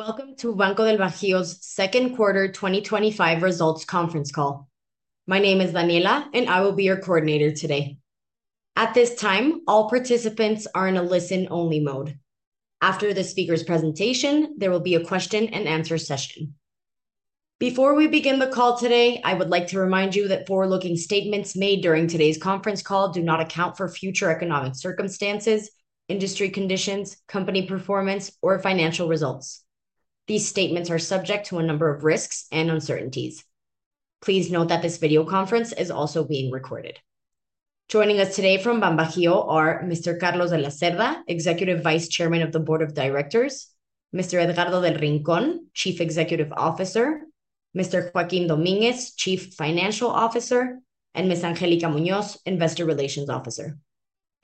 Welcome to Banco del Bajío's second quarter 2025 results conference call. My name is Daniela and I will be your coordinator today. At this time, all participants are in a listen only mode. After the speakers' presentation, there will be a question and answer session. Before we begin the call today, I would like to remind you that forward looking statements made during today's conference call do not account for future economic circumstances, industry conditions, company performance or financial results. These statements are subject to a number of risks and uncertainties. Please note that this video conference is also being recorded. Joining us today from BanBajío are Mr. Carlos de la Cerda, Executive Vice Chairman of the Board of Directors, Mr. Edgardo del Rincón, Chief Executive Officer, Mr. Joaquín Domínguez, Chief Financial Officer, and Ms. Angélica Muñoz, Investor Relations Officer.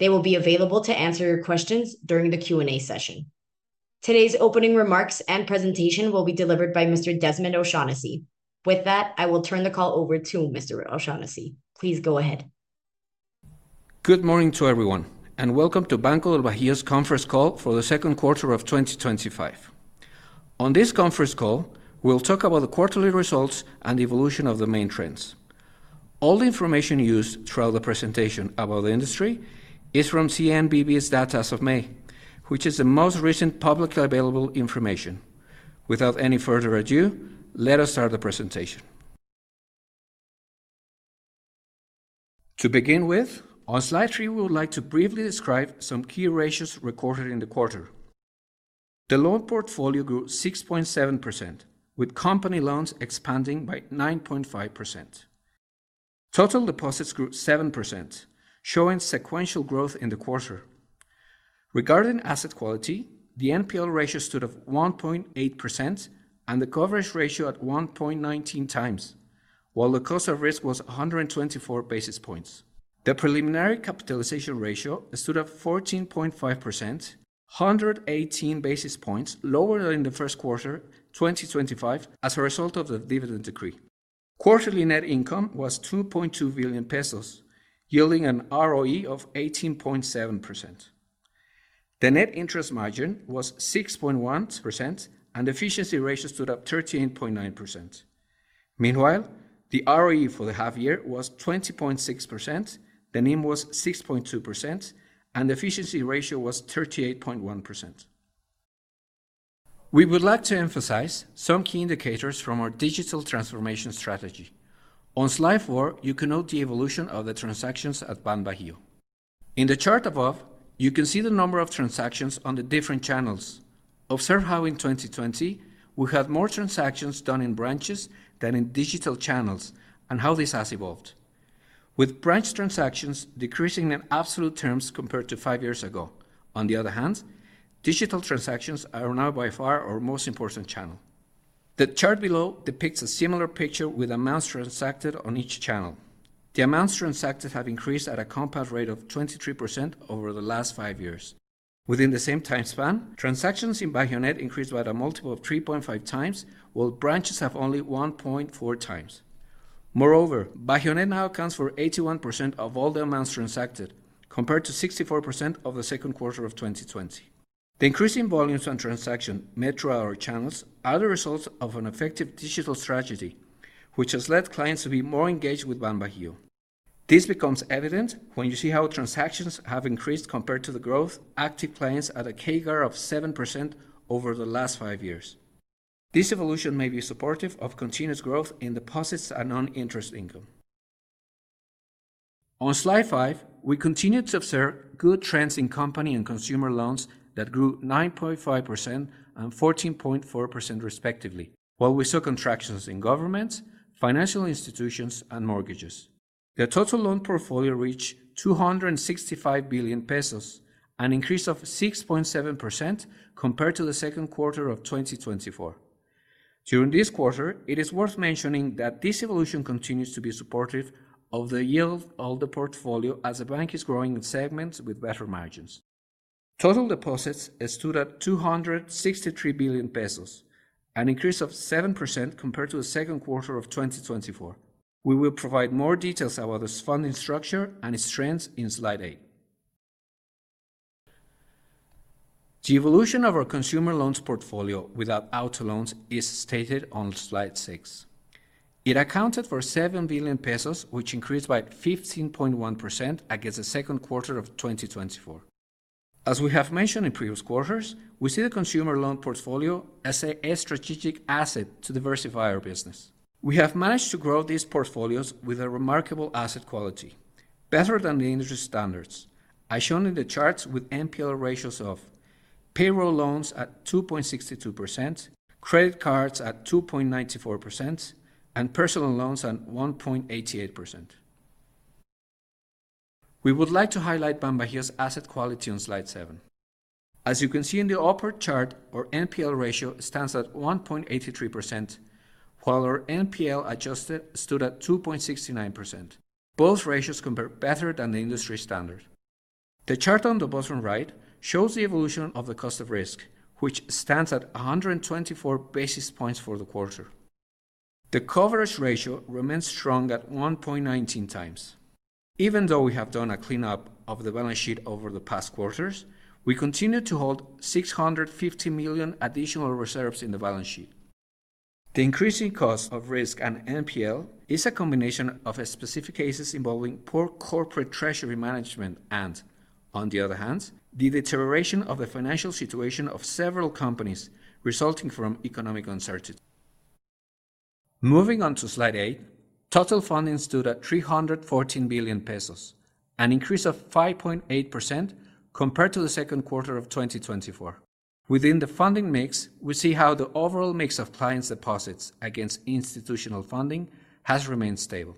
They will be available to answer your questions during the Q&A session. Today's opening remarks and presentation will be delivered by Mr. Desmond O’Shaughnessy. With that, I will turn the call over to Mr. O’Shaughnessy. Please go ahead. Good morning to everyone and welcome to Banco del Bajío's conference call for the second quarter of 2025. On this conference call we'll talk about the quarterly results and the evolution of the main trends. All the information used throughout the presentation about the industry is from CNBV's data as of May, which is the most recent publicly available information. Without any further ado, let us start the presentation. To begin with, on slide 3, we would like to briefly describe some key ratios recorded in the quarter. The loan portfolio grew 6.7%, with company loans expanding by 9.5%. Total deposits grew 7%, showing sequential growth in the quarter. Regarding asset quality, the NPL ratio stood at 1.8% and the coverage ratio at 1.19 times. While the cost of risk was 124 basis points, the preliminary capitalization ratio stood at 14.5%, 118 basis points lower than in the first quarter 2025. As a result of the dividend decree, quarterly net income was $2.2 billion pesos, yielding an ROE of 18.7%. The net interest margin was 6.1% and efficiency ratio stood at 13.9%. Meanwhile, the ROE for the half year was 20.6%, the NIM was 6.2%, and the efficiency ratio was 38.1%. We would like to emphasize some key indicators from our digital transformation strategy. On slide 4, you can note the evolution of the transactions at BanBajío. In the chart above, you can see the number of transactions on the different channels. Observe how in 2020 we had more transactions done in branches than in digital channels and how this has evolved with branch transactions decreasing in absolute terms compared to five years ago. On the other hand, digital transactions are now by far our most important channel. The chart below depicts a similar picture with amounts transacted on each channel. The amounts transacted have increased at a compound rate of 23% over the last five years. Within the same time span, transactions in BajioNet increased by a multiple of 3.5 times while branches have only 1.4 times. Moreover, BajioNet now accounts for 81% of all the amounts transacted compared to 64% of the second quarter of 2020. The increasing volumes and transactions met through our channels are the results of an effective digital strategy which has led clients to be more engaged with BanBajío. This becomes evident when you see how transactions have increased compared to the growth of active clients at a CAGR of 7% over the last five years. This evolution may be supportive of continuous growth in deposits and on interest income. On slide 5, we continue to observe good trends in company and consumer loans that grew 9.5% and 14.4% respectively, while we saw contractions in government, financial institutions, and mortgages. The total loan portfolio reached $265 billion pesos, an increase of 6.7% compared to the second quarter of 2024 during this quarter. It is worth mentioning that this evolution continues to be supportive of the yield of the portfolio as the bank is growing in segments with better margins. Total deposits stood at $263 billion pesos, an increase of 7% compared to the second quarter of 2024. We will provide more details about this funding structure and its strengths in slide 8. The evolution of our consumer loans portfolio without auto loans is stated on slide 6. It accounted for $7 billion pesos which increased by 15.1% against the second quarter of 2024. As we have mentioned in previous quarters, we see the consumer loan portfolio as a strategic asset to diversify our business. We have managed to grow these portfolios with a remarkable asset quality better than the industry standards as shown in the charts, with NPL ratios of payroll loans at 2.62%, credit cards at 2.94%, and personal loans at 1.88%. We would like to highlight BanBajío's asset quality on slide 7. As you can see in the upper chart, our NPL ratio stands at 1.83% while our NPL adjusted stood at 2.69%. Both ratios compare better than the industry standard. The chart on the bottom right shows the evolution of the cost of risk which stands at 124 basis points for the quarter. The coverage ratio remains strong at 1.19 times. Even though we have done a cleanup of the balance sheet over the past quarters, we continue to hold $650 million additional reserves in the balance sheet. The increasing cost of risk and NPL is a combination of specific cases involving poor corporate treasury management and, on the other hand, the deterioration of the financial situation of several companies resulting from economic uncertainty. Moving on to slide 8, total funding stood at $314 billion pesos, an increase of 5.8% compared to the second quarter of 2024. Within the funding mix, we see how the overall mix of client deposits against institutional funding has remained stable.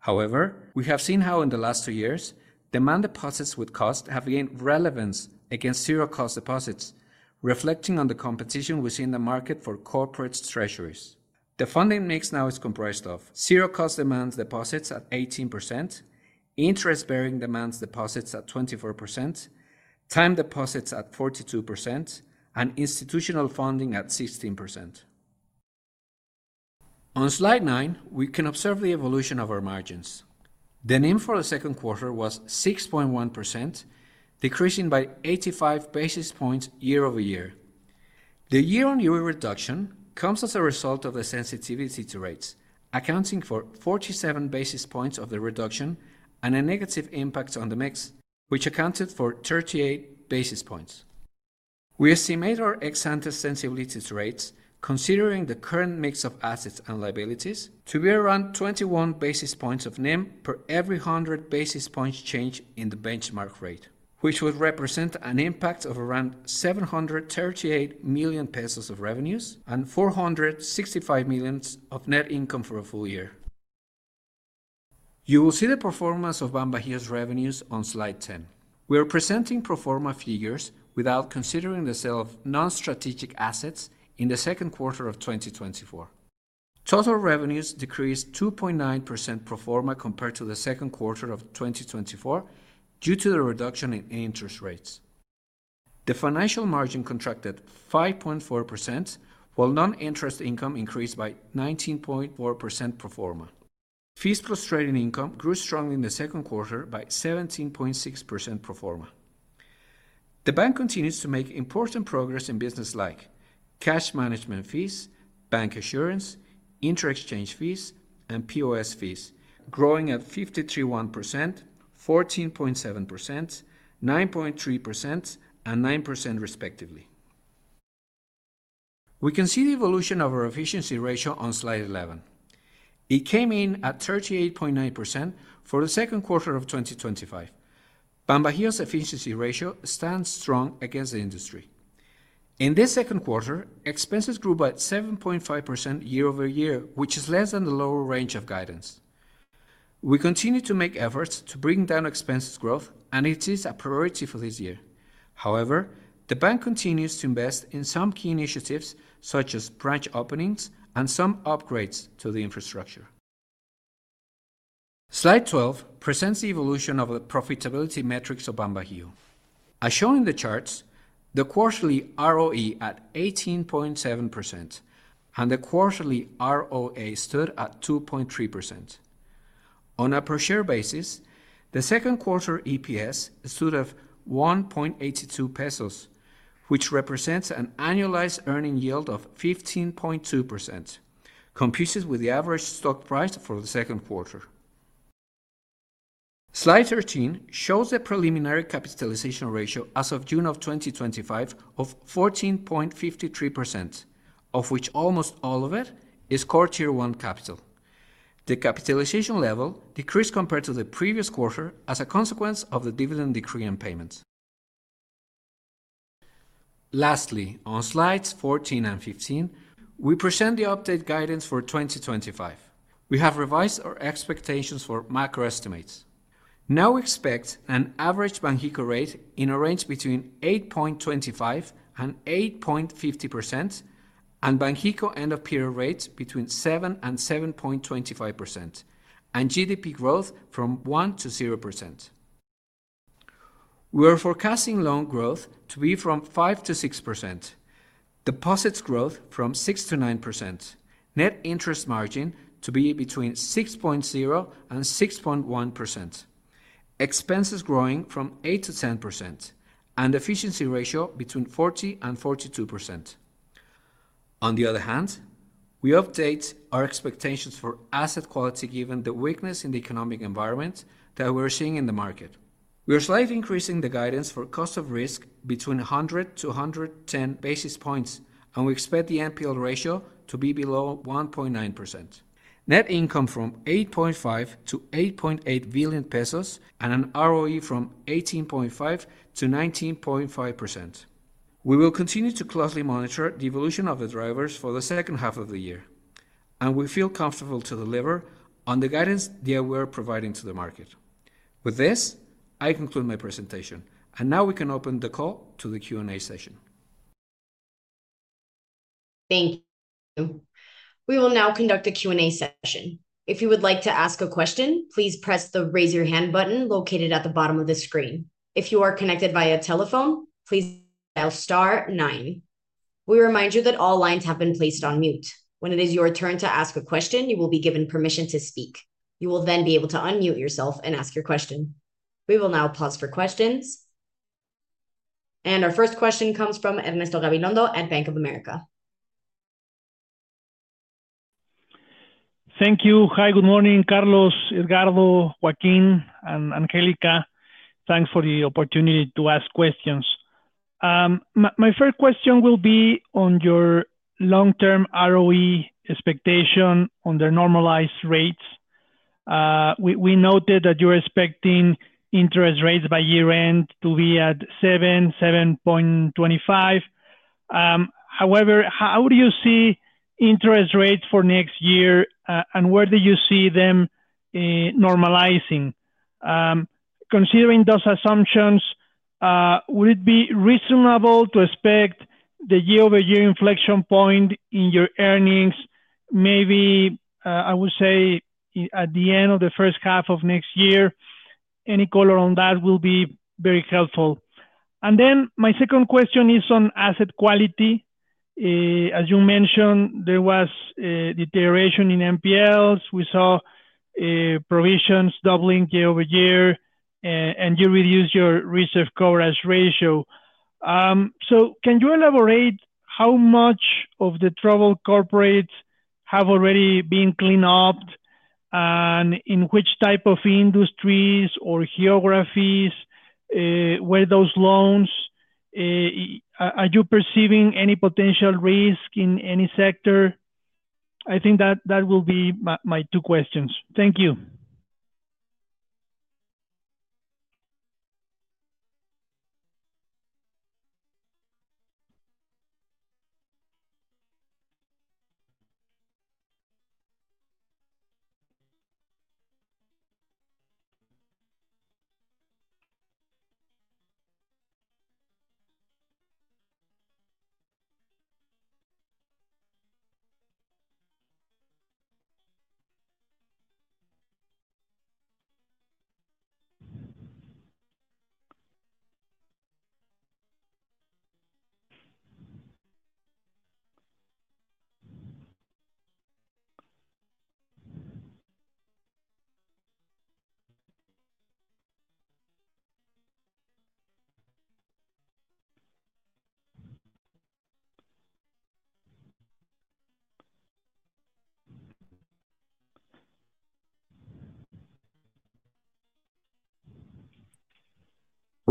However, we have seen how in the last two years demand deposits with cost have gained relevance against zero cost deposits. Reflecting on the competition within the market for corporate treasuries, the funding mix now is comprised of zero cost demand deposits at 18%, interest bearing demand deposits at 24%, time deposits at 42%, and institutional funding at 16%. On Slide 9, we can observe the evolution of our margins. The NIM for the second quarter was 6.1%, decreasing by 85 basis points year over year. The year on year reduction comes as a result of the sensitivity to rates accounting for 47 basis points of the reduction and a negative impact on the mix which accounted for 38 basis points. We estimate our ex-ante sensitivities to rates considering the current mix of assets and liabilities to be around 21 basis points of NIM per every 100 basis points change in the benchmark rate, which would represent an impact of around $738 million pesos of revenues and $465 million of net income for a full year. You will see the performance of BanBajío's revenues on Slide 10. We are presenting pro forma figures without considering the sale of non-strategic assets. In the second quarter of 2024, total revenues decreased 2.9% pro forma compared to the second quarter of 2024 due to the reduction in interest rates. The financial margin contracted 5.4% while non-interest income increased by 19.4% pro forma, fees plus trading income grew strongly in the second quarter by 17.6% pro forma. The bank continues to make important progress in businesses like cash management fees, bancassurance, interchange fees, and POS fees, growing at 53.1%, 14.7%, 9.3%, and 9% respectively. We can see the evolution of our efficiency ratio on Slide 11. It came in at 38.9% for the second quarter of 2024. BanBajío's efficiency ratio stands strong against the industry in this second quarter. Expenses grew by 7.5% year over year, which is less than the lower range of guidance. We continue to make efforts to bring down expenses growth and it is a priority for this year. However, the bank continues to invest in some key initiatives such as branch openings and some upgrades to the infrastructure. Slide 12 presents the evolution of the profitability metrics of BanBajío as shown in the charts. The quarterly ROE at 18.7% and the quarterly ROA stood at 2.3%. On a per share basis, the second quarter EPS stood at $1.82 pesos, which represents an annualized earning yield of 15.2% computed with the average stock price for the second quarter. Slide 13 shows the preliminary capitalization ratio as of June of 2025 of 14.53%, of which almost all of it is Core Tier 1 capital. The capitalization level decreased compared to the previous quarter as a consequence of the dividend decree and payment. Lastly, on slides 14 and 15 we present the updated guidance for 2025. We have revised our expectations for macro estimates. Now we expect an average Banxico rate in a range between 8.25% and 8.50% and Banxico end of period rate between 7% and 7.25% and GDP growth from 1% to 0%. We are forecasting loan growth to be from 5% to 6%, deposits growth from 6% to 9%, net interest margin to be between 6.0% and 6.1%, expenses growing from 8% to 10% and efficiency ratio between 40% and 42%. On the other hand, we update our expectations for asset quality given the weakness in the economic environment that we are seeing in the market. We are slightly increasing the guidance for cost of risk between 100 to 110 basis points and we expect the NPL ratio to be below 1.9%, net income from $8.5 to $8.8 billion pesos and an ROE from 18.5% to 19.5%. We will continue to closely monitor the evolution of the drivers for the second half of the year and we feel comfortable to deliver on the guidance we are providing to the market. With this I conclude my presentation and now we can open the call to the Q&A session. Thank you. We will now conduct the Q&A session. If you would like to ask a question, please press the raise your hand button located at the bottom of the screen. If you are connected via telephone, please dial star 9. We remind you that all lines have been placed on mute. When it is your turn to ask a question, you will be given permission to speak. You will then be able to unmute yourself and ask your question. We will now pause for questions. Our first question comes from Ernesto Gabilondo at Bank of America. Thank you. Hi, good morning. Carlos, Edgardo, Joaquin, and Angélica. Thanks for the opportunity to ask questions. My first question will be on your long-term ROE expectation on their normalized rates. We noted that you're expecting interest rates by year end to be at 7.7%, 7.25%. However, how do you see interest rates for next year and where do you see them normalizing? Considering those assumptions, would it be reasonable to expect the year-over-year inflection point in your earnings, maybe at the end of the first half of next year? Any color on that will be very helpful. My second question is on asset quality. As you mentioned, there was deterioration in NPLs. We saw provisions doubling year over year and you reduced your reserve coverage ratio. Can you elaborate how much of the trouble corporates have already been cleaned up and in which type of industries or geographies were those loans? Are you perceiving any potential risk in any sector? I think that will be my two questions. Thank you.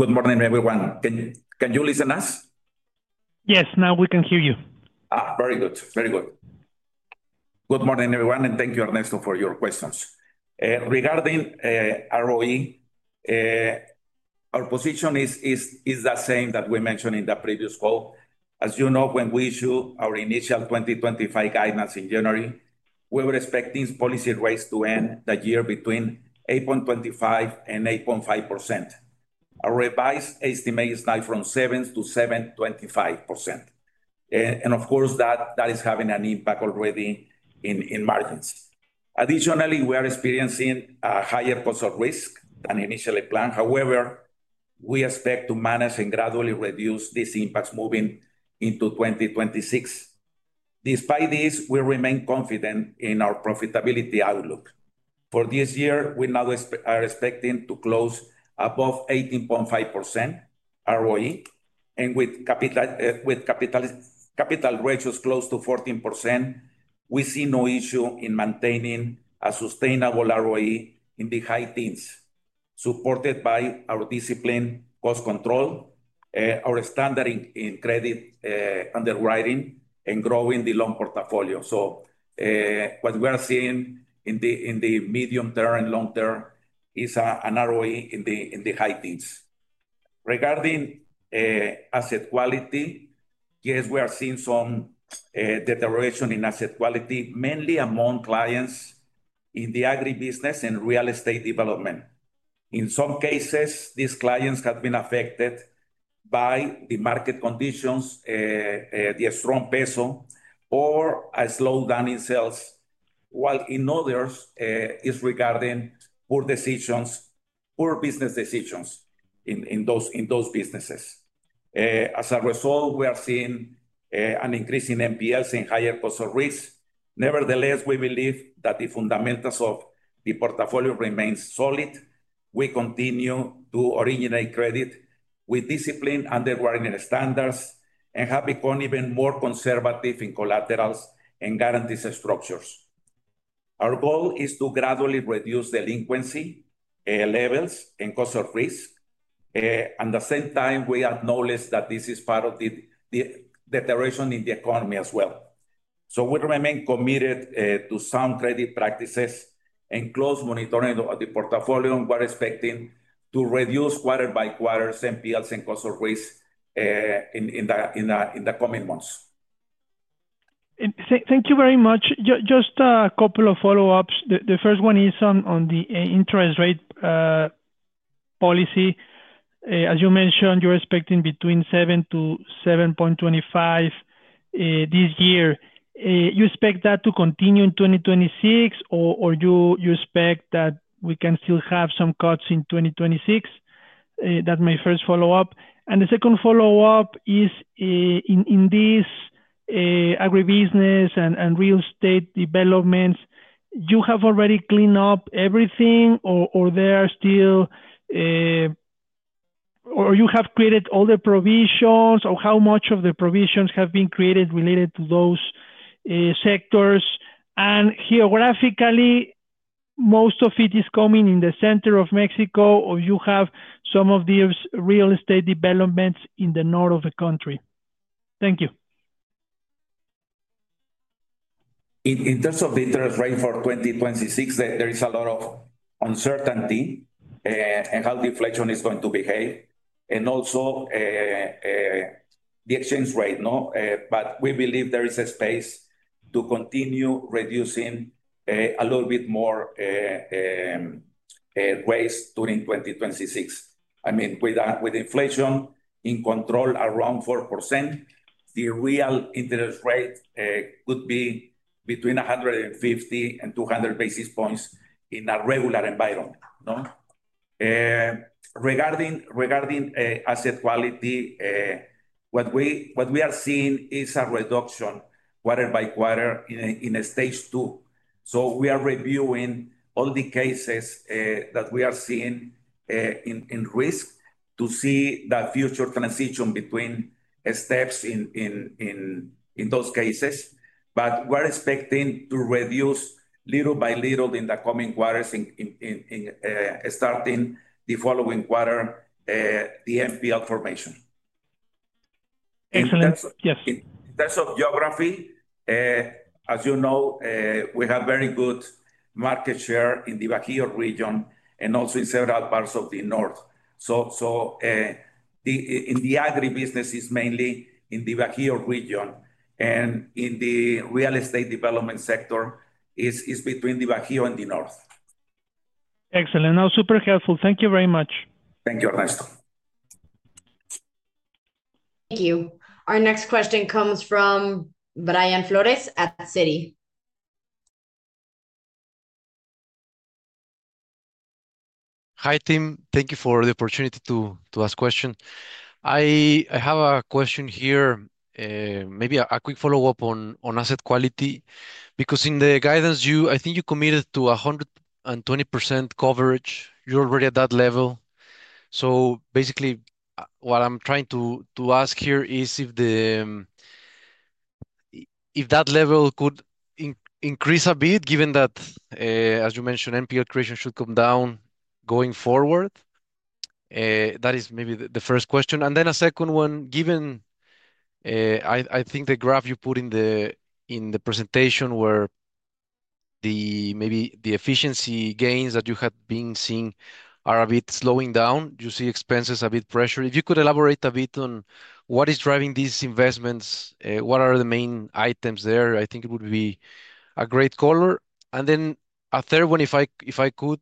Good morning everyone. Can you listen to us? Yes, now we can hear you. Very good. Good morning everyone and thank you Ernesto for your questions regarding ROE. Our position is the same that we mentioned in the previous call. As you know, when we issued our initial 2025 guidance in January, we were expecting policy rates to end that year between 8.25% and 8.5%. A revised estimate is now from 7% to 7.25%. Of course, that is having an impact already in margins. Additionally, we are experiencing a higher cost of risk than initially planned. However, we expect to manage and gradually reduce these impacts moving into 2026. Despite this, we remain confident in our profitability outlook for this year. We now are expecting to close above 18.5% ROE and with capital ratios close to 14%, we see no issue in maintaining a sustainable ROE in the high teens, supported by our discipline, cost control, our standard in credit underwriting, and growing the loan portfolio. What we are seeing in the medium term and long term is an ROE in the high teens. Regarding asset quality, yes, we are seeing some deterioration in asset quality, mainly among clients in the agribusiness and real estate development. In some cases, these clients have been affected by the market conditions, the strong peso, or a slowdown in sales, while in others it is regarding poor decisions, poor business decisions in those businesses. As a result, we are seeing an increase in NPLs and higher cost of risk. Nevertheless, we believe that the fundamentals of the portfolio remain solid. We continue to originate credit with discipline, underwriting standards, and have become even more conservative in collaterals and guarantee structures. Our goal is to gradually reduce delinquency levels and cost of risk. At the same time, we acknowledge that this is part of the deterioration in the economy as well. We remain committed to sound credit practices and close monitoring of the portfolio. We're expecting to reduce quarter by quarter NPLs in cost of risk in the coming months. Thank you very much. Just a couple of follow-ups. The first one is on the interest rate policy. As you mentioned, you're expecting between 7% to 7.25% this year. Do you expect that to continue in 2026, or do you expect that we can still have some cuts in 2026? That's my first follow-up. The second follow-up is in these agribusiness and real estate developments. You have already cleaned up everything, or you have created all the provisions, or how much of the provisions have been created related to those sectors? Geographically, most of it coming in the center of Mexico, or do you have some of these real estate developments in the north of the country? Thank you. In terms of interest rate for 2026, there is a lot of uncertainty in how deflation is going to behave and also the exchange rate. We believe there is a space to continue reducing a little bit more waste during 2026. I mean, with inflation in control around 4%, the real interest rate could be between 150 and 200 basis points in a regular environment. Regarding asset quality, what we are seeing is a reduction quarter by quarter in stage two. We are reviewing all the cases that we are seeing in risk to see that future transition between steps in those cases. We're expecting to reduce little by little in the coming quarters, starting the following quarter, the NPL formation. Excellent. Yes. In terms of geography. As you know, we have very good market share in the Bajío region and also in several parts of the north. In the agri business, it's mainly in the Bajío region, and in the real estate development sector, it's between the Bajío and the north. Excellent. Super helpful. Thank you very much. Thank you, Ernesto. Thank you. Our next question comes from Brian Flores at Citi. Hi, team, thank you for the opportunity to ask a question. I have a question here, maybe a quick follow-up on asset quality because in the guidance I think you committed to 120% coverage. You're already at that level. Basically, what I'm trying to ask here is if that level could increase a bit given that, as you mentioned, NPL creation should come down going forward. That is maybe the first question. Then a second one, given, I think the graph you put in the presentation where the efficiency gains that you had been seeing are a bit slowing down, you see expenses, a bit of pressure. If you could elaborate a bit on what is driving these investments, what are the main items there, I think it would be great color. Then a third one, if I could,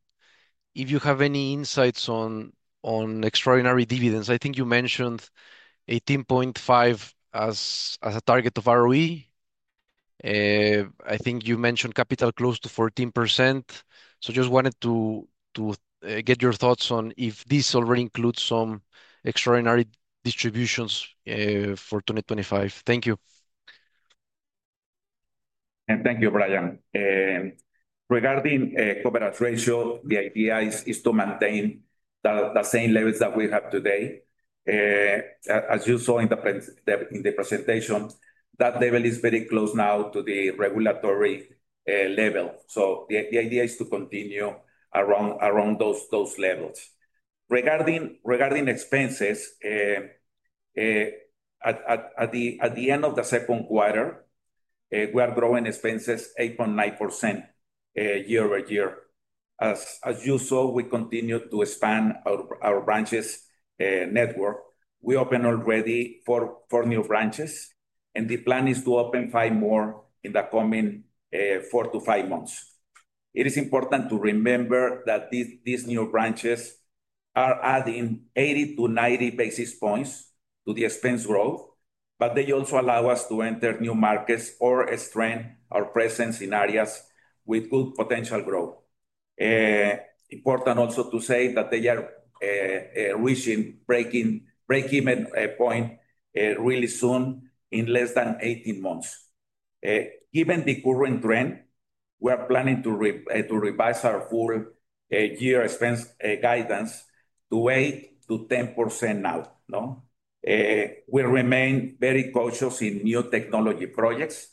if you have any insights on extraordinary dividends. I think you mentioned 18.5% as a target of ROE. I think you mentioned capital close to 14%. I just wanted to get your thoughts on if this already includes some extraordinary distributions for 2025. Thank you. Thank you, Brian. Regarding coverage ratio, the idea is to maintain the same levels that we have today. As you saw in the presentation, that level is very close now to the regulatory level. The idea is to continue around those levels. Regarding expenses, at the end of the second quarter we are growing expenses 8.9% year over year. As you saw, we continue to expand our branches network. We opened already four new branches and the plan is to open five more in the coming four to five months. It is important to remember that these new branches are adding 80 to 90 basis points to the expense growth. They also allow us to enter new markets or strengthen our presence in areas with good potential growth. It is important also to say that they are reaching breakeven point really soon, in less than 18 months. Given the current trend, we are planning to revise our full year expense guidance to 8% to 10% now. We remain very cautious in new technology projects.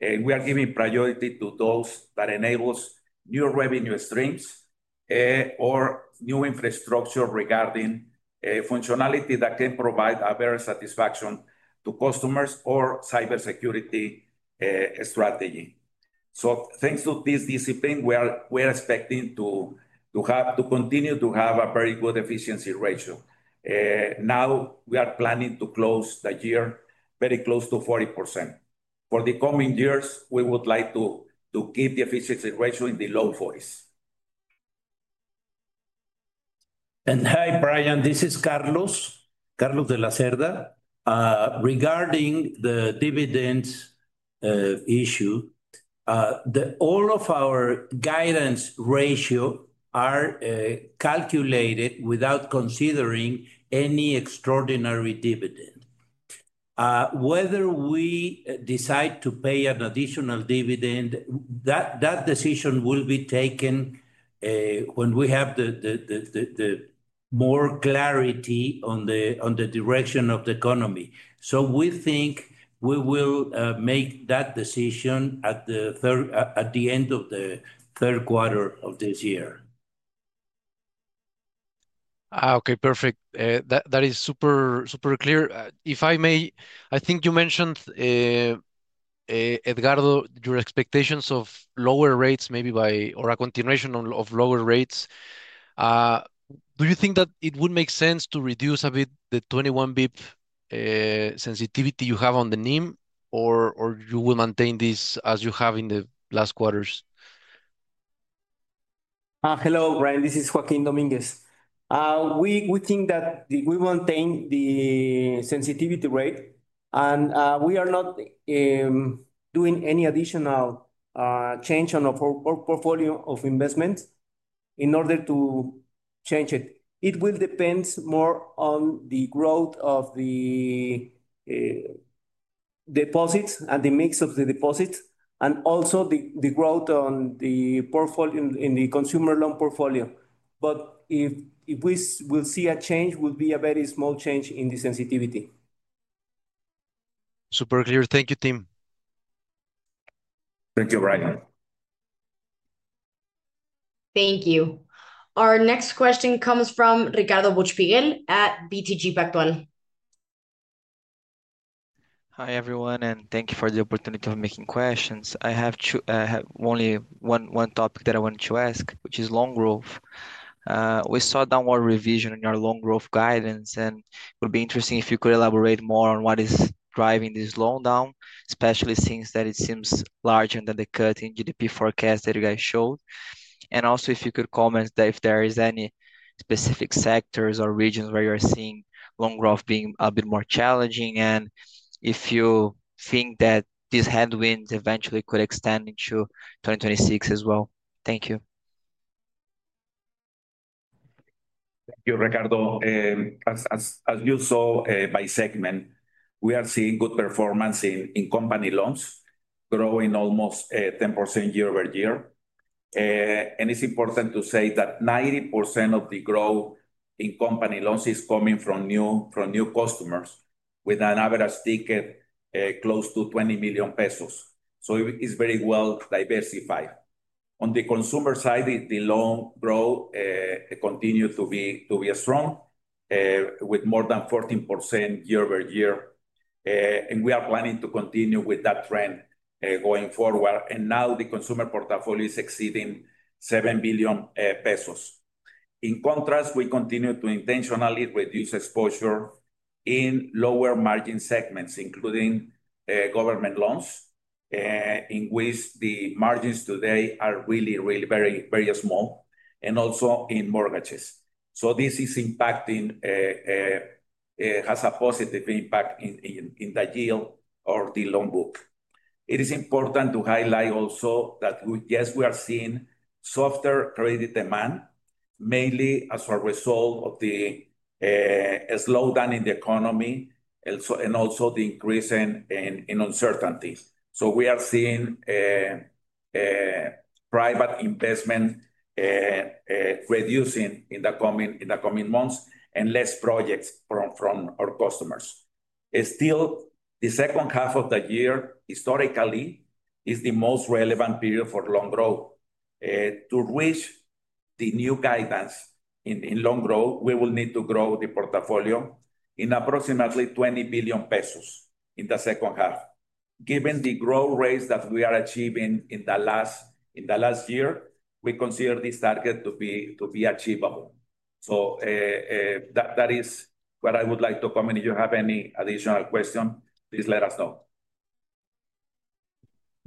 We are giving priority to those that enable new revenue streams or new infrastructure regarding functionality that can provide better satisfaction to customers or cybersecurity strategy. Thanks to this discipline, we are expecting to continue to have a very good efficiency ratio. Now we are planning to close the year very close to 40%. For the coming years, we would like to keep the efficiency ratio in the low 40s. Hi Brian, this is Carlos de la Cerda. Regarding the dividends issue, all of our guidance ratio are calculated without considering any extraordinary dividend. Whether we decide to pay an additional dividend, that decision will be taken when we have more clarity on the direction of the economy. We think we will make that decision at the end of the third quarter of this year. Okay, perfect. That is super clear, if I may. I think you mentioned, Edgardo, your expectations of lower rates, maybe by or a continuation of lower rates. Do you think that it would make sense to reduce a bit the 21 bps sensitivity you have on the NIM, or you will maintain this as you have in the last quarters. Hello, Brian, this is Joaquín Domínguez. We think that we maintain the sensitivity rate, and we are not doing any additional change on our portfolio of investments in order to change it. It will depend more on the growth of the deposits and the mix of the deposits, and also the growth on the portfolio in the consumer loan portfolio. If we will see a change, it will be a very small change in the sensitivity. Super clear. Thank you, team. Thank you, Brian. Thank you. Our next question comes from Ricardo Buchpiguel at BTG Pactual. Hi everyone, and thank you for the opportunity of making questions. I have only one topic that I wanted to ask, which is loan growth. We saw downward revision in our loan growth guidance and it would be interesting if. Could you elaborate more on what is driving this loan down, especially since it seems larger than the cut in? GDP forecast that you guys showed. If you could comment if there are any specific sectors or regions where you're seeing loan growth being a bit more challenging and if you think that this headwind eventually could extend into 2026 as well. Thank you. Thank you, Ricardo. As you saw by segment, we are seeing good performance in company loans growing almost 10% year over year. It is important to say that 90% of the growth in company loans is coming from new customers with an average ticket close to $20 million pesos. It is very well diversified. On the consumer side, the loan growth continues to be strong with more than 14% year over year. We are planning to continue with that trend going forward. Now the consumer portfolio is exceeding $7 billion pesos. In contrast, we continue to intentionally reduce exposure in lower margin segments, including government loans in which the margins today are really, really very, very small and also in mortgages. This is impacting and has a positive impact in the yield or the loan book. It is important to highlight also that yes, we are seeing softer credit demand mainly as a result of the slowdown in the economy and also the increase in uncertainty. We are seeing private investment reducing in the coming months and less projects from our customers. Still, the second half of the year historically is the most relevant period for loan growth. To reach the new guidance in loan growth, we will need to grow the portfolio in approximately $20 billion pesos in the second half. Given the growth rates that we are achieving in the last year, we consider this target to be achievable. That is what I would like to comment. If you have any additional question, please let us know.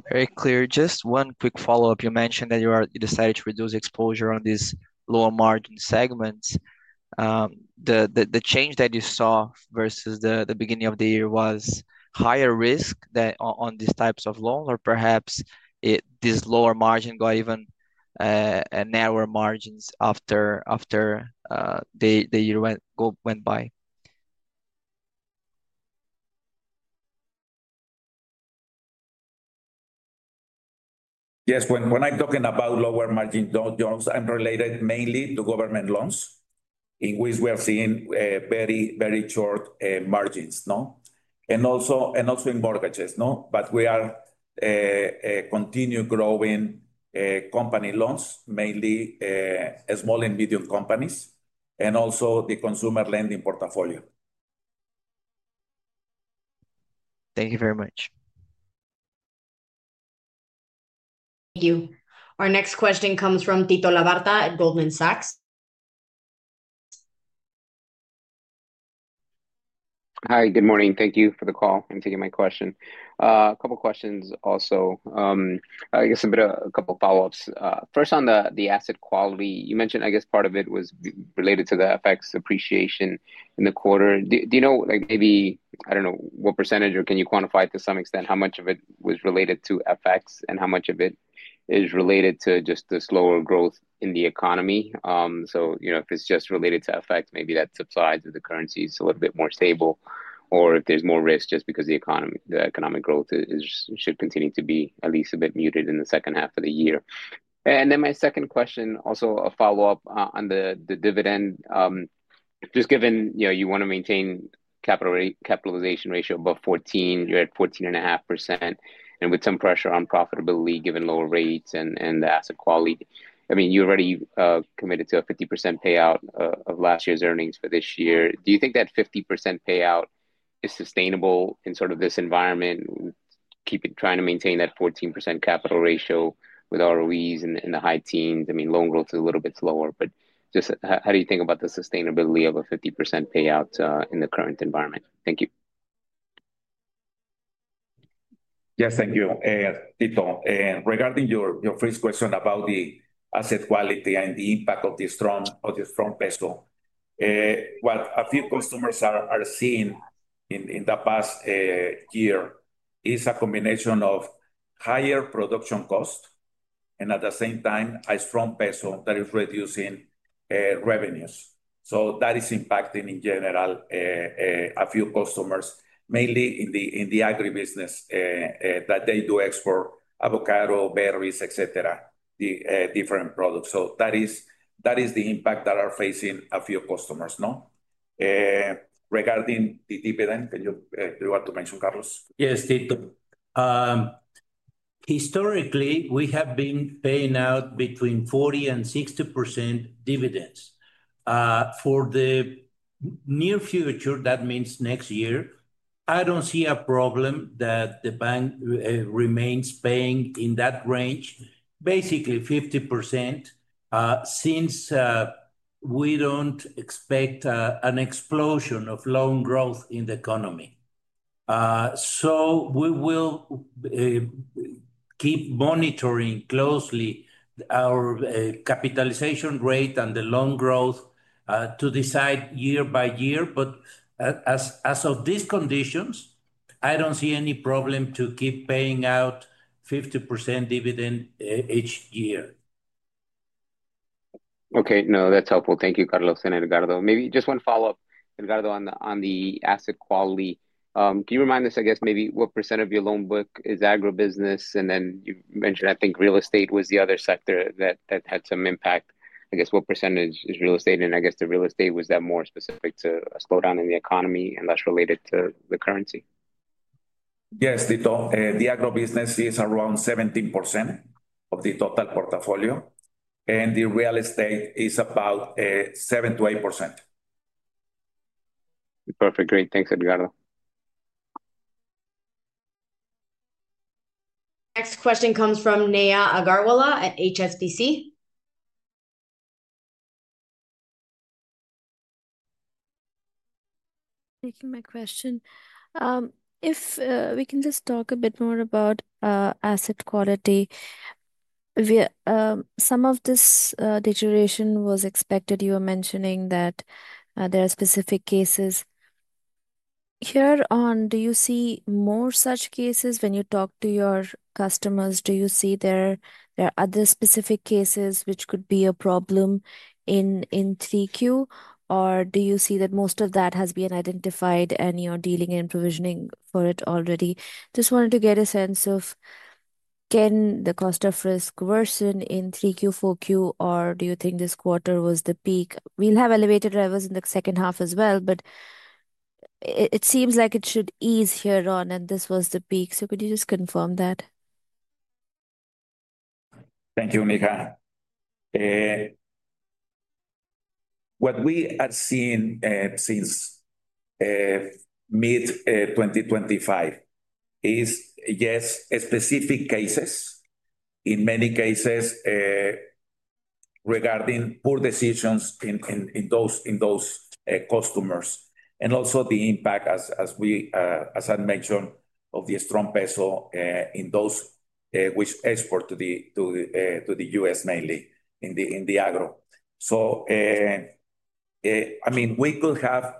Very clear. Just one quick follow up. You mentioned that you decided to reduce exposure on these lower margin segments. The change that you saw versus the beginning of the year was higher risk on these types of loan or perhaps this lower margin got even narrower margins after the year went by. Yes. When I'm talking about lower margins, I'm related mainly to government loans in which we are seeing very, very short margins now, and also in mortgages. We continue growing company loans, mainly small and medium companies and also the consumer lending portfolio. Thank you very much. Thank you. Our next question comes from Tito Labarta at Goldman Sachs. Hi, good morning. Thank you for the call and taking my question. A couple questions, also I guess a bit of a couple follow ups. First, on the asset quality, you. Mentioned, I guess part of it was related to the FX appreciation in the quarter. Do you know, like maybe I don't know what percentage or can you quantify to some extent how much of it was related to FX and how much of it is related to just the slower growth in the economy. If it's just related to FX, maybe that subsides if the currency is a little bit more stable or if there's more risk, just because the economic growth should continue to be at least a bit muted in the second half of the year. My second question, also a follow up on the dividend just given. You want to maintain capitalization ratio above 14%, you're at 14.5% and with some pressure on profitability given lower rates and the asset quality. I mean you already committed to a 50% payout of last year's earnings for this year. Do you think that 50% payout is sustainable in sort of this environment? Keep it trying to maintain that 14% capital ratio with ROEs in the high teens. I mean loan growth is a little bit slower. Just how do you think about the sustainability of a 50% payout in the current environment? Thank you. Yes, thank you, Tito. Regarding your first question about the asset quality and the impact of the strong peso, what a few customers are seeing in the past year is a combination of higher production cost and at the same time a strong peso that is reducing revenues. That is impacting in general a few customers, mainly in the agribusiness that do export avocado, berries, etc., the different products. That is the impact that are facing a few customers. Regarding the dividend, do you want to mention, Carlos? Yes. Historically we have been paying out between 40% and 60% dividends for the near future. That means next year. I don't see a problem that the bank remains paying in that range, basically 50%. Since we don't expect an explosion of loan growth in the economy, we will keep monitoring closely our capitalization rate and the loan growth to decide year by year. As of these conditions, I don't see any problem to keep paying out 50% dividend each year. Okay. No, that's helpful. Thank you. Carlos and Edgardo, maybe just one follow up Edgardo on the asset quality. Can you remind us, I guess maybe what percent of your loan book is agribusiness? You mentioned, I think real estate was the other sector that had some impact. I guess what percentage is real estate and I guess the real estate, was that more specific to a slowdown in the economy and that's related to the currency? Yes, Tito. The agribusiness is around 17% of the total portfolio and the real estate is about 7% to 8%. Perfect. Great. Thanks, Edgardo. Next question comes from Neha Agarwala at HSBC. Taking my question, if we can just talk a bit more about asset quality. Some of this deterioration was expected. You were mentioning that there are specific cases here on. Do you see more such cases when you talk to your customers? Do you see there are other specific cases which could be a problem in 3Q or do you see that most of that has been identified and you're dealing in provisioning for it already? Just wanted to get a sense of can the cost of risk worsen in 3Q 4Q or do you think this quarter was the peak? We'll have elevated drivers in the second half as well, but it seems like it should ease here on and this was the peak, so could you just confirm that? Thank you, Neha. What we are seeing since mid-2025 is specific cases in many cases regarding poor decisions in those customers and also the impact, as I mentioned, of the strong peso in those which export to the U.S., mainly in the agro. I mean we could have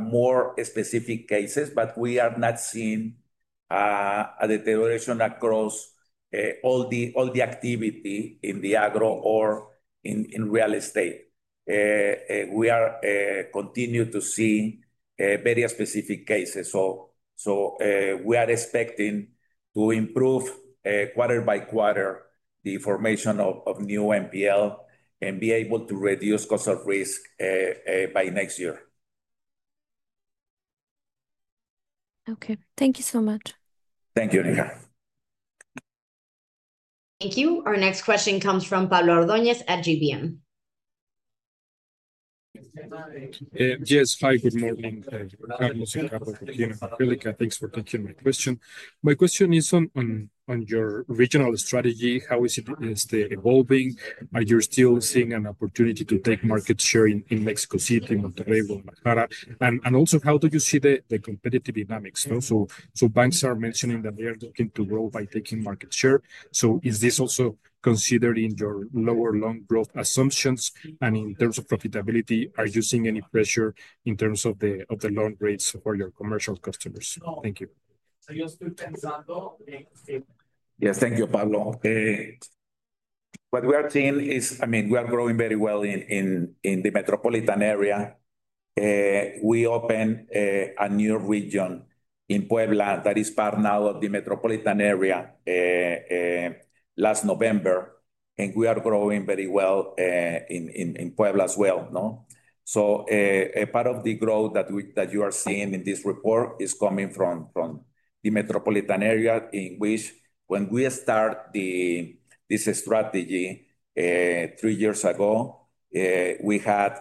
more specific cases, but we are not seeing a deterioration across all the activity in the agro or in real estate, we are continuing to see various specific cases. We are expecting to improve quarter by quarter the formation of new NPL and be able to reduce cost of risk by next year. Okay, thank you so much. Thank you, Neha. Thank you. Our next question comes from Pablo Ordóñez at GBM. Yes. Hi, good morning. This is Pablo. Thanks for taking my question. My question is on your regional strategy. How is it evolving? Are you still seeing an opportunity to take market share in Mexico City and Monterrey Bay? How do you see the competitive dynamics? Banks are mentioning that they are looking to grow by taking market share. Is this also considered in your lower loan growth assumptions? In terms of profitability, are you seeing any pressure in terms of the loan rates for your commercial customers? Thank you. Yes, thank you, Pablo. What we are seeing is, I mean, we are growing very well in the metropolitan area. We opened a new region in Puebla that is part now of the metropolitan area last November, and we are growing very well in Puebla as well. A part of the growth that you are seeing in this report is coming from the metropolitan area in which, when we started this strategy three years ago, we had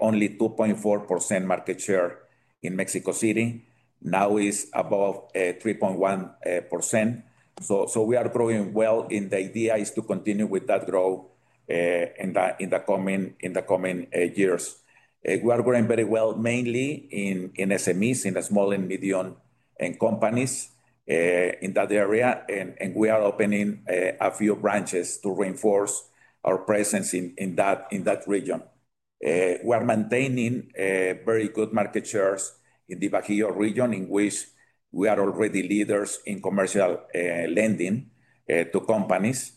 only 2.4% market share in Mexico City, now it is above 3.1%. We are growing well. The idea is to continue with that growth in the coming years. We are growing very well, mainly in SMEs, in small and medium companies in that area. We are opening a few branches to reinforce our presence in that region. We are maintaining very good market shares in the Bajío region, in which we are already leaders in commercial lending to companies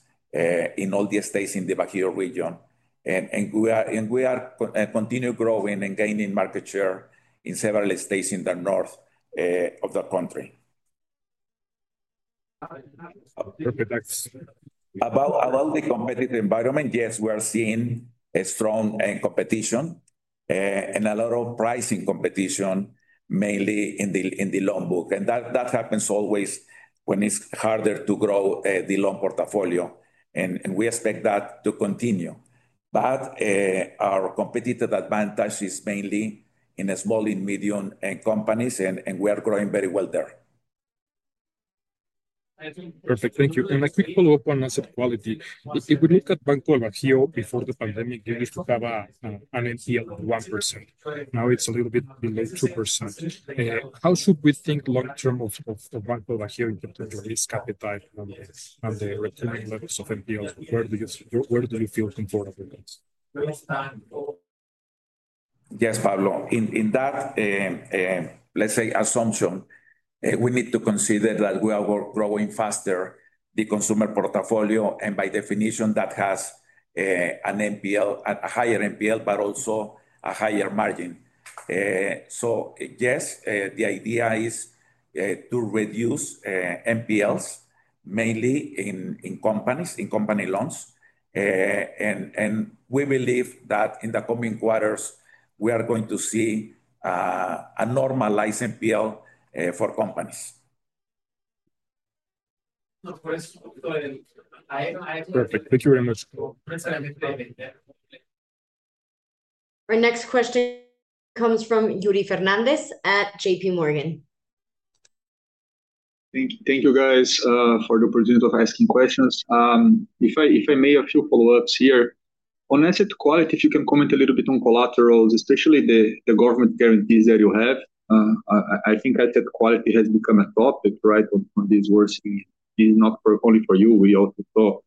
in all the states in the Bajío region. We are continuing growing and gaining market share in several states in the north of the country. About the competitive environment, yes, we are seeing a strong competition and a lot of pricing competition, mainly in the loan book. That happens always when it's harder to grow the loan portfolio, and we expect that to continue. Our competitive advantage is mainly in small and medium companies, and we are growing very well there. Perfect, thank you. A quick follow up on asset quality. If we look at Banco del Bajío, before the pandemic, you used to have an NPL of 1%. Now it's a little bit below 2%. How should we think long term of Banco del Bajío in terms of risk appetite and the recurring levels of NPLs, where do you feel comfortable? Yes, Pablo, in that, let's say, assumption, we need to consider that we are growing faster. The consumer portfolio, and by definition that has a higher NPL but also a higher margin. Yes, the idea is to reduce NPLs mainly in companies, in company loans. We believe that in the coming quarters we are going to see a normalized NPL for companies. Perfect. Thank you very much. Our next question comes from Yuri Fernandes at JPMorgan. Thank you guys for the opportunity of asking questions. If I may, a few follow ups here on asset quality. If you can comment a little bit on collaterals, especially the government guarantees that you have. I think asset quality has become a topic right on these words. It is not only for you. We also saw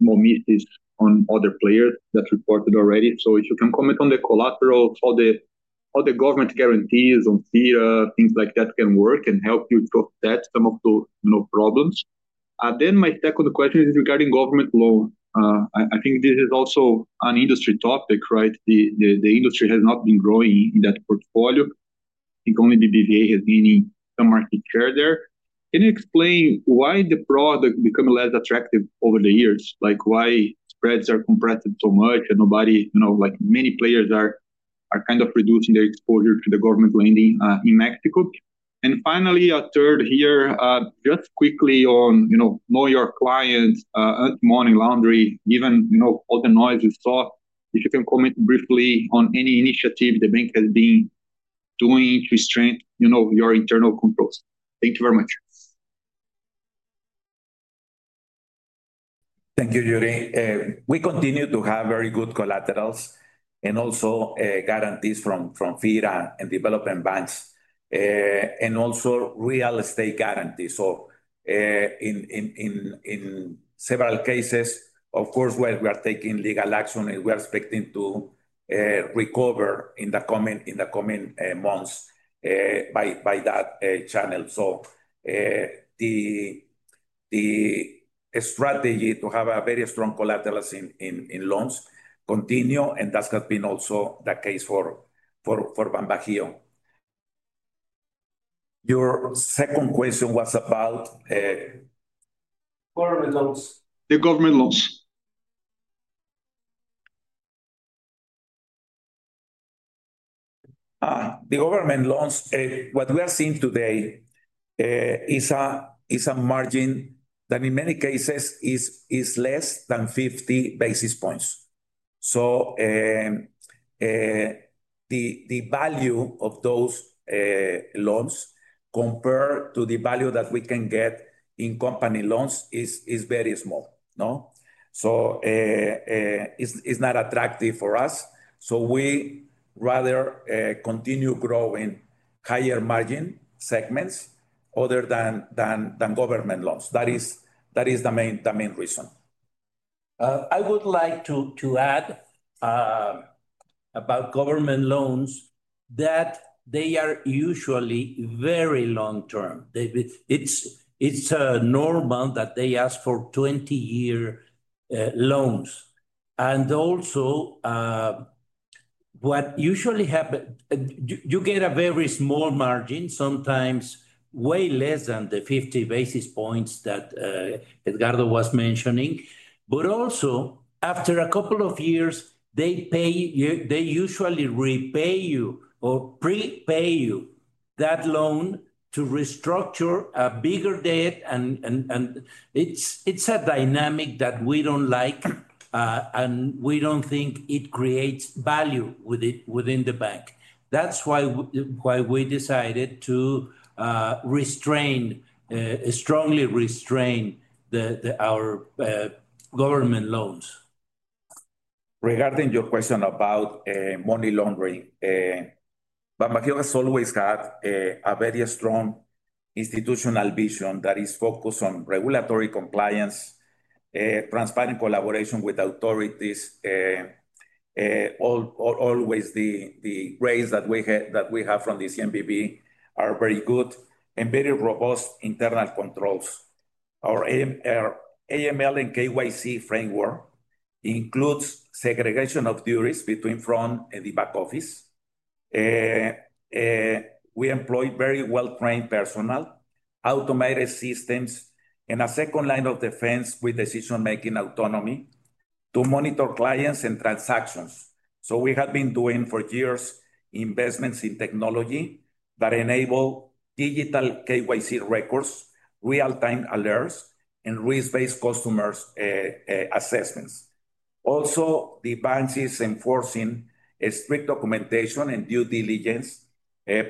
more misses on other players that reported already. If you can comment on the collateral, all the government guarantees on the things like that can work and help you to set some of the problems. My second question is regarding government loans. I think this is also an industry topic, right? The industry has not been growing in that portfolio. I think only BBVA is gaining some market share there. Can you explain why the product become less attractive over the years? Like why spreads are compressed so much and many players are kind of reducing their exposure to the government lending in Mexico. Finally, a third here. Just quickly on know your client, money laundry, given all the noise we saw. If you can comment briefly on any initiative the bank has been doing to strengthen your internal controls. Thank you very much. Thank you, Yuri. We continue to have very good collaterals and also guarantees from FIRA and development banks and also real estate guarantee. In several cases, of course, where we are taking legal action and we are expecting to recover in the coming months by that channel. The strategy to have a very strong collateral in loans continues. That has been also the case for BanBajío. Your second question was about. Government loans. The government loans. What we are seeing today is a margin that in many cases is less than 50 basis points. The value of those loans compared to the value that we can get in company loans is very small. It is not attractive for us. We rather continue growing higher margin segments other than government loans. That is the main reason. I would like to add about government loans that they are usually very long term. It is normal that they ask for 20 year loans. Also, what usually happens, you get a very small margin, sometimes way less than the 50 basis points that Edgardo was mentioning. After a couple of years they usually repay you or prepay you that loan to restructure a bigger debt. It is a dynamic that we do not like and we do not think it creates value within the bank. That's why we decided to strongly restrain our government loans. Regarding your question about money laundering, BanBajío has always got a very strong institutional vision that is focused on regulatory compliance, transparent collaboration with authorities always. The grades that we have from the CNBV are very good and very robust internal controls. Our AML and KYC framework includes segregation of duties between front and the back office. We employ very well trained personnel, automated systems, and a second line of defense with decision making autonomy to monitor clients and transactions. We have been doing for years investments in technology that enable digital KYC records, real time alerts, and risk based customer assessments. The bank is enforcing strict documentation and due diligence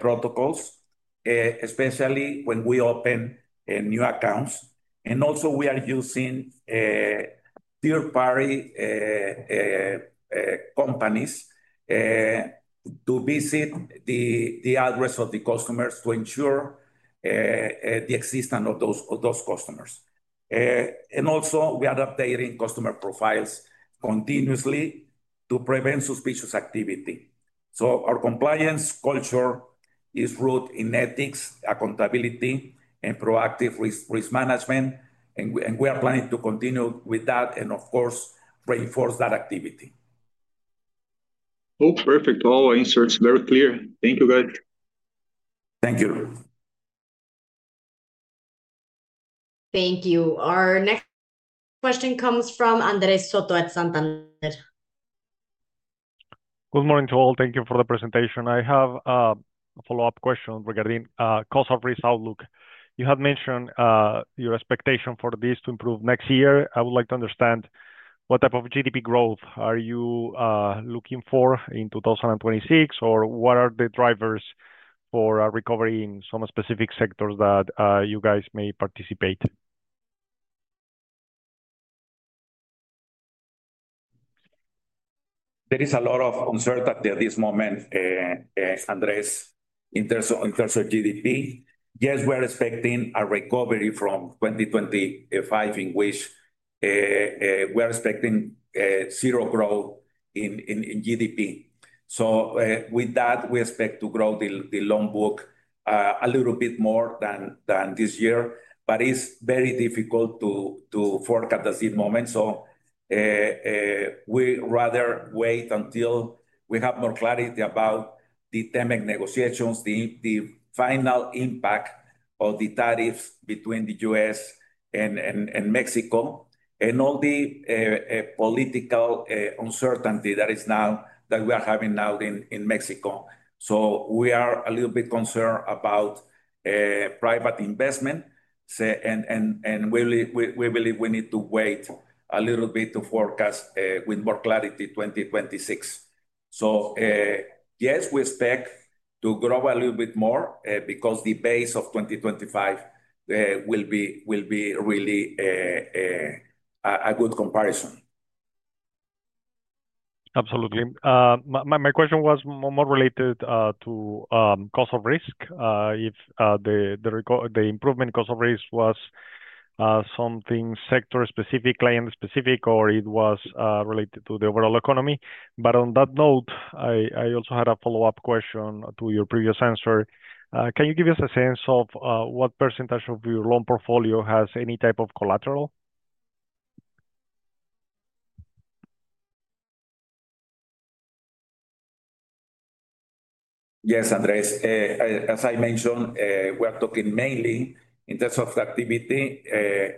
protocols, especially when we open new accounts. We are using third party companies to visit the address of the customers to ensure the existence of those customers. We are updating customer profiles continuously to prevent suspicious activity. Our compliance culture is rooted in ethics, accountability, and proactive risk management. We are planning to continue with that and of course reinforce that activity. Oh perfect. All answers very clear. Thank you guys. Thank you. Thank you. Our next question comes from Andres Soto at Santander. Good morning to all. Thank you for the presentation. I have a follow up question regarding cost of risk outlook. You had mentioned your expectation for this to improve next year. I would like to understand what type of GDP growth are you looking for in 2026, or what are the drivers for recovery in some specific sectors that you guys may participate. There is a lot of uncertainty at this moment, Andres, in terms of GDP. Yes, we are expecting a recovery from 2025 in which we are expecting zero growth in GDP. With that, we expect to grow the loan book a little bit more than this year. It is very difficult to forecast at this moment. We would rather wait until we have more clarity about the T-MEC negotiations, the final impact of the tariffs between the U.S. and Mexico, and all the political uncertainty that we are having now in Mexico. We are a little bit concerned about private investment, and we believe we need to wait a little bit to forecast with more clarity for 2026. Yes, we expect to grow a little bit more because the base of 2025 will be really a good comparison. Absolutely. My question was more related to cost of risk, if the improvement in cost of risk was something sector specific, client specific, or it was related to the overall economy. On that note, I also had a follow-up question to your previous answer. Can you give us a sense of what % of your loan portfolio has any type of collateral? Yes, Andres, as I mentioned, we are talking mainly in terms of the activity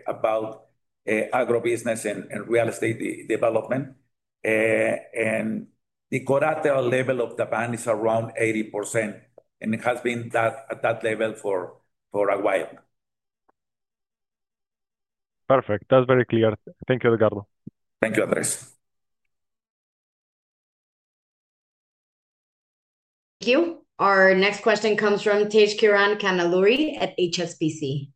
about agro business and real estate development. The collateral level of the ban is around 80% and it has been at that level for a while. Perfect. That's very clear. Thank you, Edgardo. Thank you, Andres. Thank you. Our next question comes from Tej Kiran Kanalouri at HSBC.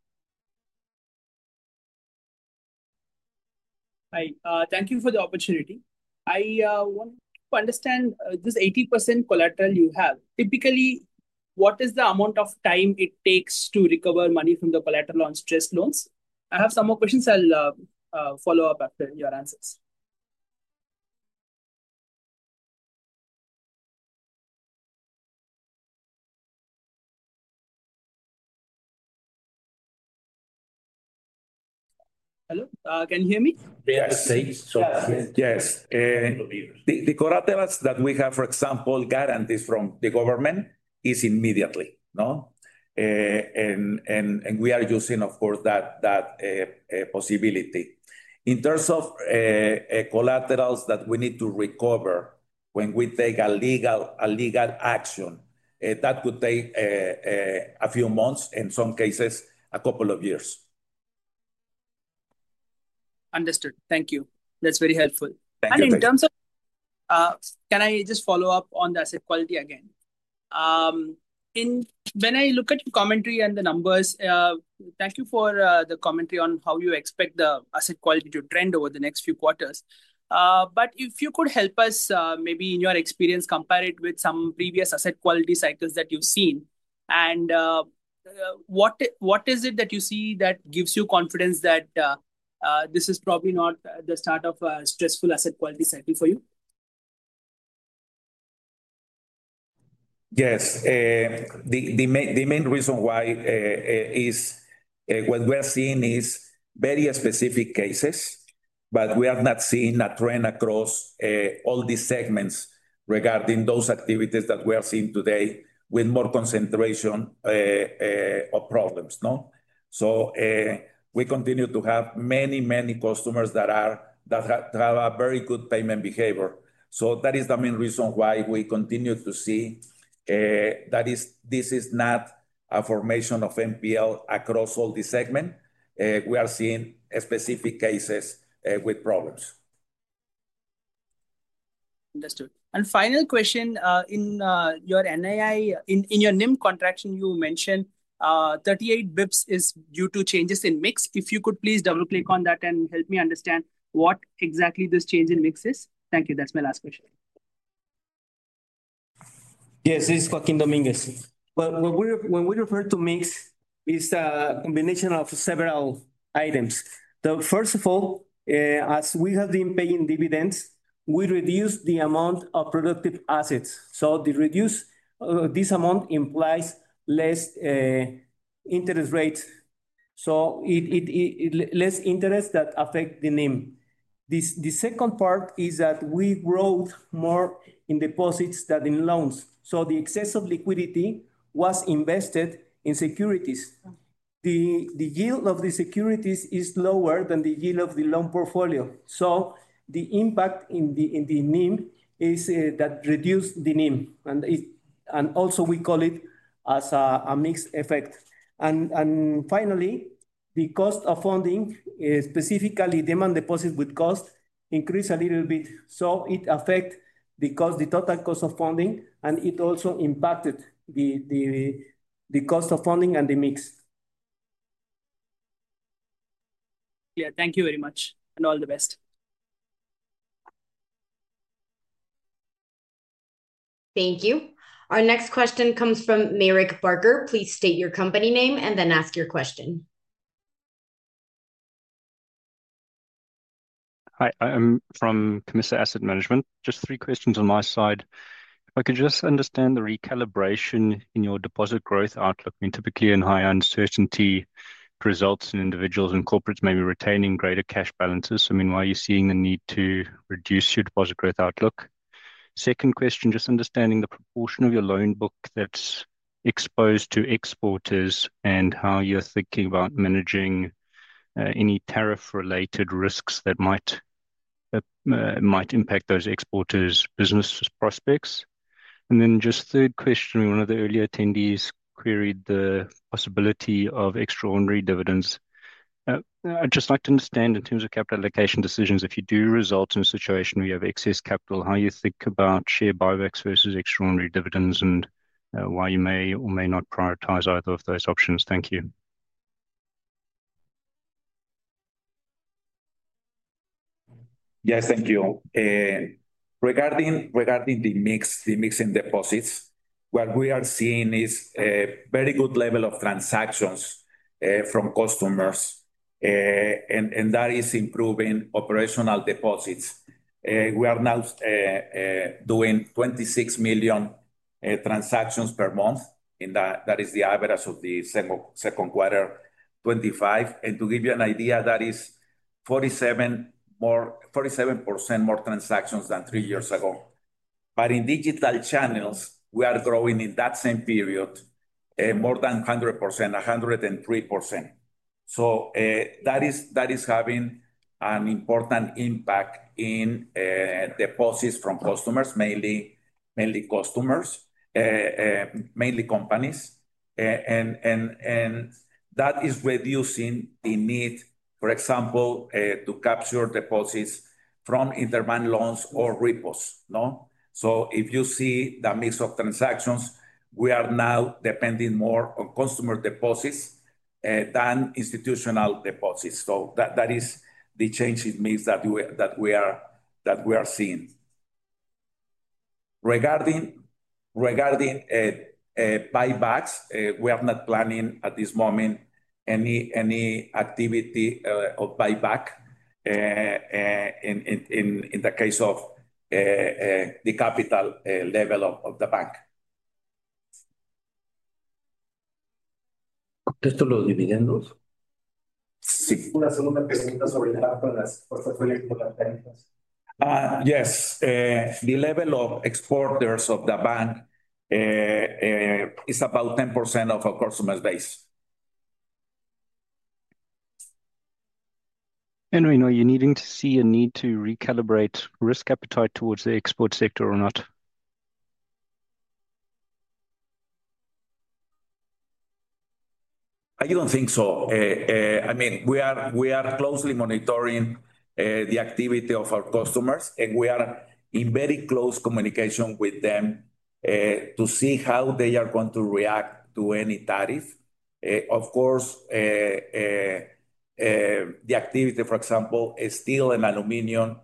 Hi, thank you for the opportunity. I want to understand this 80% collateral you have. Typically, what is the amount of time it takes to recover money from the collateral on stress loans? I have some more questions. I'll follow up after your answers. Hello, can you hear me? Yes, the collaterals that we have, for example, guarantees from the government, is immediately. And we are using of course that possibility. In terms of collaterals that we need to recover when we take a legal action, that could take a few months, in some cases a couple of years. Understood, thank you, that's very helpful. In terms of, can I just follow up on the asset quality again? When I look at commentary and the numbers, thank you for the commentary on how you expect the asset quality to trend over the next few quarters. If you could help us, maybe in your experience compare it with some previous asset quality cycles that you've seen and what is it that you see that gives you confidence that this is probably not the start of a stressful asset quality cycle for you? Yes, the main reason why is what we're seeing is very specific cases, but we have not seen a trend across all these segments regarding those activities that we are seeing today with more concentration of problems. We continue to have many, many customers that have a very good payment behavior. That is the main reason why we continue to see that this is not a formation of NPL across all the segments. We are seeing specific cases with problems. Understood. Final question, in your NIM contraction you mentioned 38 bps is due to changes in mix. If you could please double click on that and help me understand what exactly this change in mix is. Thank you. That's my last question. Yes, this is Joaquín Domínguez. When we refer to mix, it is a combination of several items. First of all, as we have been paying dividends, we reduce the amount of productive assets. The reduction of this amount implies less interest rates, so less interest that affects the NIM. The second part is that we grow more in deposits than in loans. The excess of liquidity was invested in securities. The yield of the securities is lower than the yield of the loan portfolio. The impact in the NIM is that it reduced the NIM, and we also call it a mix effect. Finally, the cost of funding, specifically demand deposit with cost, increased a little bit. It affects the total cost of funding, and it also impacted the cost of funding and the mix. Thank you very much and all the best. Thank you. Our next question comes from Meyrick Barker. Please state your company name and then ask your question. Hi, I'm from Camissa Asset Management. Just three questions on my side. If I could just understand the recalibration in your deposit growth outlook. Typically, in high uncertainty, results in individuals and corporates may be retaining greater cash balances. I mean, why are you seeing the need to reduce your deposit growth outlook? Second question, just understanding the proportion of your loan book that's exposed to exporters and how you're thinking about managing any tariff related risks that might impact those exporters' business prospects. Third question, one of the earlier attendees queried the possibility of extraordinary dividends. I'd just like to understand in terms of capital allocation decisions, if you do result in a situation where you have excess capital, how you think about share buybacks versus extraordinary dividends and why you may or may not prioritize either of those options. Thank you. Yes, thank you. Regarding the mixing deposits, what we are seeing is a very good level of transactions from customers, and that is improving operational deposits. We are now doing 26 million transactions per month in that. That is the average of the second quarter, 2025. To give you an idea, that is 47% more transactions than three years ago. In digital channels, we are growing in that same period more than 100%, 103%. That is having an important impact in deposits from customers mainly. Mainly customers, mainly companies. That is reducing the need, for example, to capture deposits from interbank loans or repos. If you see the mix of transactions, we are now depending more on customer deposits than institutional deposits. That is the change. It means that we are seeing regarding buybacks. We are not planning at this moment any activity of buyback. In the case of the capital level of the bank, yes, the level of exporters of the bank is about 10% of our customer base. Now you are needing to see a need to recalibrate risk appetite towards the export sector or not? I don't think so. I mean, we are closely monitoring the activity of our customers, and we are in very close communication with them to see how they are going to react to any tariff. Of course, the activity, for example, is steel and aluminium.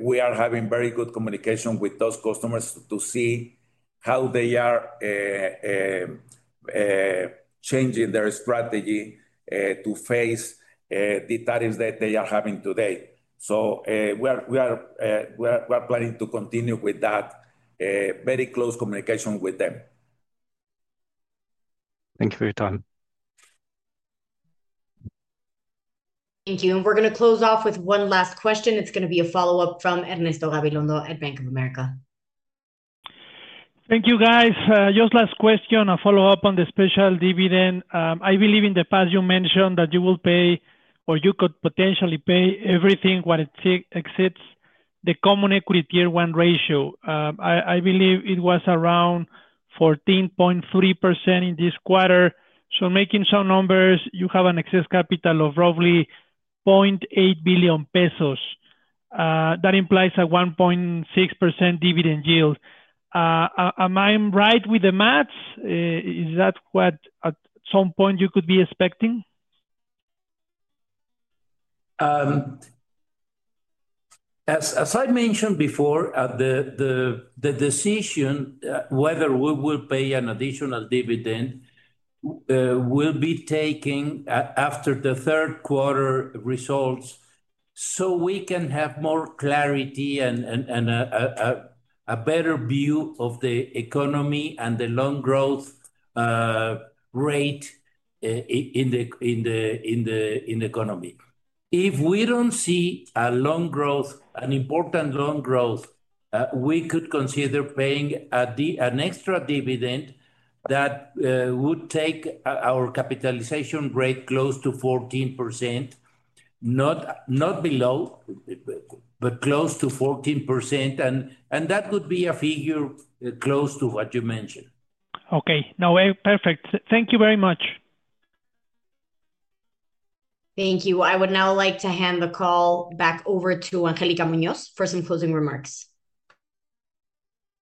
We are having very good communication with those customers to see how they are changing their strategy to face the tariffs that they are having today. We are planning to continue with that very close communication with them. Thank you for your time. Thank you. We are going to close off with one last question. It is going to be a follow up from Ernesto Gabilondo at Bank of America. Thank you, guys. Just last question. A follow up on the special dividend. I believe in the past you mentioned that you will pay or you could potentially pay everything what exceeds the common equity tier one ratio. I believe it was around 14.3% in this quarter. Making some numbers, you have an excess capital of roughly $0.8 billion pesos. That implies a 1.6% dividend yield. Am I right with the maths? Is that what at some point you could be expecting? As I mentioned before, the decision whether we will pay an additional dividend will be taken after the third quarter results. We can have more clarity and a better view of the economy and the loan growth rate in the economy. If we don't see an important loan growth, we could consider paying an extra dividend. That would take our capitalization rate close to 14%. Not below, but close to 14%. That would be a figure close to what you mentioned. Okay. Perfect. Thank you very much. Thank you. I would now like to hand the call back over to Angélica Muñoz for some closing remarks.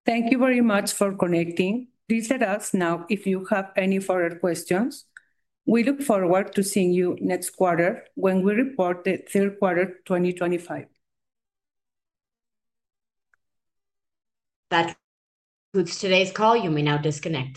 Thank you very much for connecting. Please let us know if you have any further questions. We look forward to seeing you next quarter when we report the third quarter 2025. That concludes today's call. You may now disconnect.